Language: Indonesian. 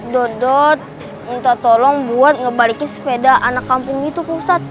dodot minta tolong buat ngebalikin sepeda anak kampung gitu pak ustaz